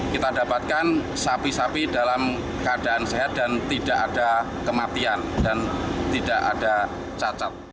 kita dapatkan sapi sapi dalam keadaan sehat dan tidak ada kematian dan tidak ada cacat